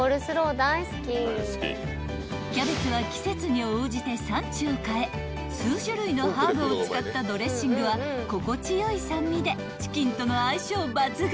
［キャベツは季節に応じて産地を変え数種類のハーブを使ったドレッシングは心地よい酸味でチキンとの相性抜群］